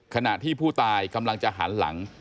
ขณะที่ผู้ตายกำลังจะหันหลัง